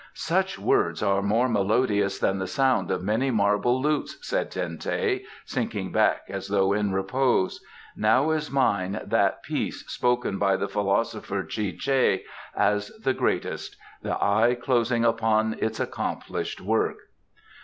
"Such words are more melodious than the sound of many marble lutes," said Ten teh, sinking back as though in repose. "Now is mine that peace spoken of by the philosopher Chi chey as the greatest: 'The eye closing upon its accomplished work.